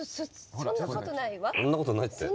そんなことないわよ。